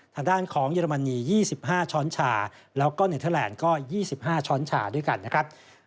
ทางด้านของเยอรมนี๒๕ช้อนชาแล้วก็เนเทอร์แลนด์ก็๒๕ช้อนชาด้วยกันนะครับ